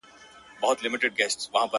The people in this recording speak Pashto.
پر قسمت یې د تیارې پلو را خپور دی!.